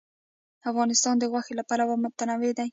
افغانستان د غوښې له پلوه متنوع دی.